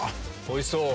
おいしそう！